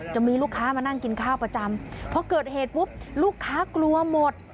จะมีลูกค้ามานั่งกินข้าวประจำพอเกิดเหตุปุ๊บลูกค้ากลัวหมด